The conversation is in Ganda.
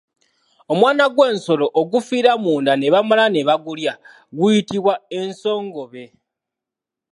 Omwana gw'ensolo ogufiira munda ne bamala ne bagulya guyitibwa ensongobe.